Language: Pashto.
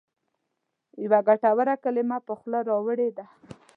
یوه ګټوره کلمه پر خوله راوړې ده.